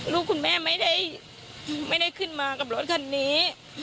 ลูกคุณแม่ไม่ได้ขึ้นมากับรถคันนี้